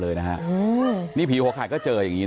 ฐานพระพุทธรูปทองคำ